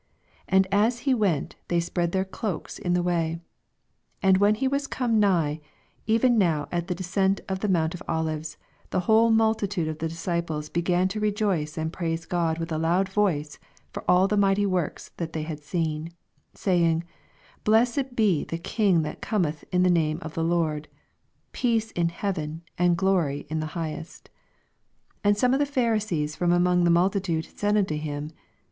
36 And as he went, they spread their clothes in the way. 87 And when he was come nigh, even now at the descent of the mount of Olives, the whole multitude of the disciples began to rejoice and praise God with a loud voice for all the mighty works that they had seen ; 88 Haying, Blessed he the King that Cometh in the name of the Lord : peace in heaven, and glory in the highest. 89 And some of the Pharisees from among the multitude said unto him.